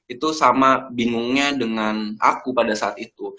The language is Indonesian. itu sama bingungnya dengan aku pada saat itu